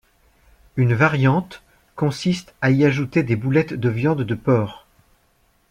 Une variante consiste à y ajouter des boulettes de viande de porc.